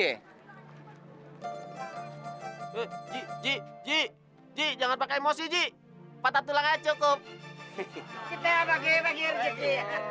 hai hai jiji jiji jangan pakai emosi di patah tulangnya cukup kita bagi bagi